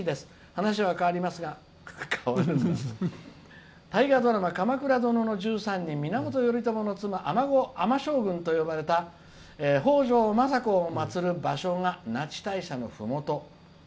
話は変わりますが大河ドラマ「鎌倉殿の１３人」源頼朝の妻尼将軍と呼ばれた北条政子をまつる場所が那智大社のふもと。